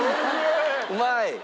うまい？